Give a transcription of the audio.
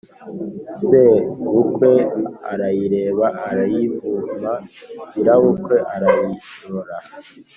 sebukwe arayireba arayivu ma/ nyirabukwe arayirora